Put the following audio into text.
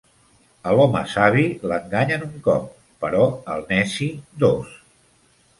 A l'home savi l'enganyen un cop, però al neci dos.